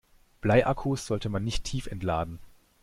Bleiakkus sollte man nicht tiefentladen.